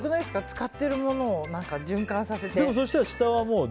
使ってるものを循環させて。